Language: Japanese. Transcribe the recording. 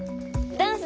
ダンス？